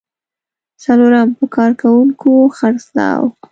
څلورم: په کارکوونکو خرڅلاو.